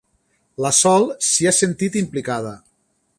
La Sol s'hi ha sentit implicada.